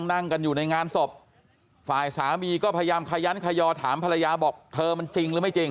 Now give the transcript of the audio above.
นั่งกันอยู่ในงานศพฝ่ายสามีก็พยายามขยันขยอถามภรรยาบอกเธอมันจริงหรือไม่จริง